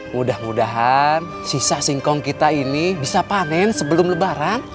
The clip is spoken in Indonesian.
mudah mudahan sisa singkong kita ini bisa panen sebelum lebaran